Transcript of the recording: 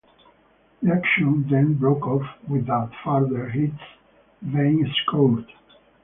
The action then broke off without further hits being scored.